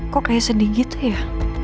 kok kayak sedih gitu ya